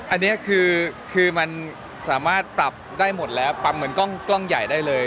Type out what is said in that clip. อันนี้คือมันสามารถปรับได้หมดแล้วปรับเหมือนกล้องใหญ่ได้เลย